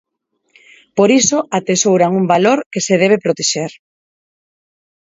Por iso atesouran un valor que se debe protexer.